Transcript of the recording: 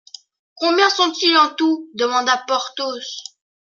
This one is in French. Combien sont-ils en tout ? demanda Porthos.